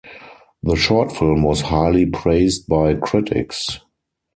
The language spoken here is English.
The short film was highly praised by critics.